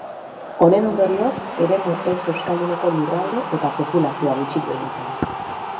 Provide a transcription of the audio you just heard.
Honen ondorioz, eremu ez-euskalduneko lurralde eta populazioa gutxitu egin zen.